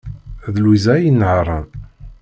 D Lwiza ay inehhṛen.